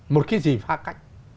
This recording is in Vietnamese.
một cái gì pha cách